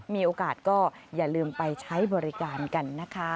มีโอกาสก็อย่าลืมไปใช้บริการกันนะคะ